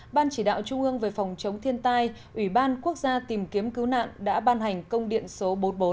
ban chỉ đạo trung ương về phòng chống thiên tai ủy ban quốc gia tìm kiếm cứu nạn đã ban hành công điện số bốn mươi bốn